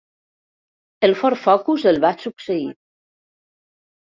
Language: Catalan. El Ford Focus el va succeir.